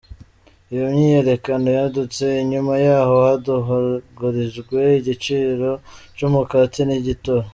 Iyo myiyerekano yadutse inyuma y'aho hadugorijwe igiciro c'umukate n'igitoro.